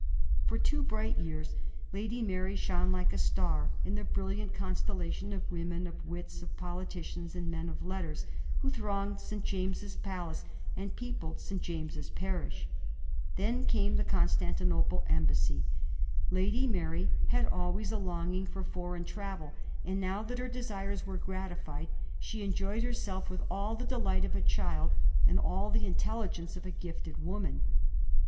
For two bright years Lady Mary shone like a star in the brilliant constellation of women, of wits, of politicians, and men of letters, who thronged St. James's Palace and peopled St. James's parish. Then came the Constantinople embassy. Lady Mary had always a longing for foreign travel, and now that her desires were gratified 2 Digiti zed by Google 196 A mSTORY OF THE FOUR GEORGES, cf. vm. she enjoyed herself with all the delight of a child and all the intelligence of a gifted woman.